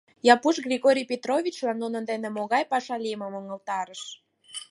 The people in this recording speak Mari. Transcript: Япуш Григорий Петровичлан нунын дене могай паша лиймым ыҥылтарыш.